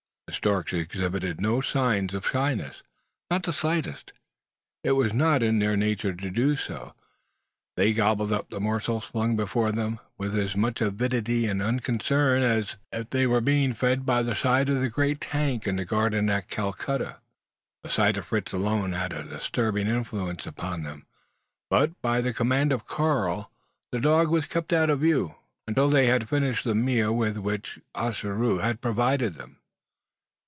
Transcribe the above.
The storks exhibited no signs of shyness not the slightest. It was not in their nature to do so. They gobbled up the morsels flung before them, with as much avidity and unconcern, as if they were being fed by the side of the great tank in the Garden at Calcutta. The sight of Fritz alone had a disturbing influence upon them; but, by the command of Karl, the dog was kept out of view, until they had finished the meal with which Ossaroo had provided them.